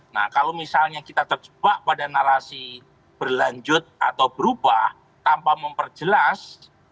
nah kalau misalnya kita terjebak pada narasi berlanjut atau berubah tanpa memperjelas